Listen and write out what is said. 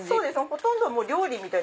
ほとんど料理みたい。